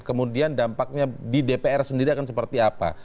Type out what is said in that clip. kemudian dampaknya di dpr sendiri akan seperti apa